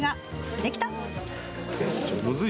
できた。